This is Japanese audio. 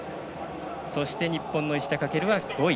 そして日本の石田駆は５位。